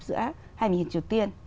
giữa hai miền triều tiên